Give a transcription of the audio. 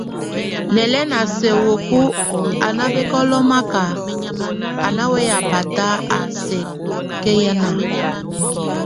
Nɛ́lɛn a sɛk wekue a nábekolomonak, a ná weya bat á sɛkéyanɛ.